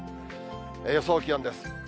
予想気温です。